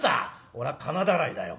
「俺は金だらいだよ」。